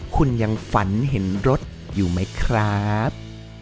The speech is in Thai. คุณยังฝันเห็นรถอยู่ไหมครับ